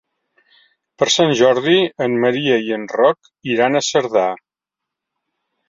Per Sant Jordi en Maria i en Roc iran a Cerdà.